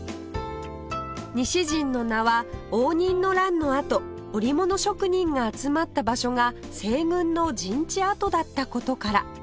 西陣の名は応仁の乱のあと織物職人が集まった場所が西軍の陣地跡だった事から